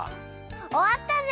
おわったぜ！